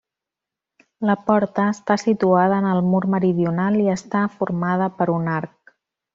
La porta està situada en el mur meridional i està formada per un arc.